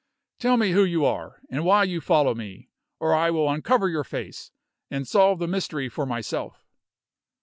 "Tell me who you are, and why you follow me, or I will uncover your face, and solve the mystery for myself."